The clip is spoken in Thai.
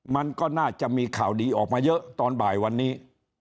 มันก็น่าจะมีข่าวดีออกมาเยอะตอนบ่ายวันนี้